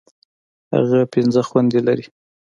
هغه پنځه خويندي لري.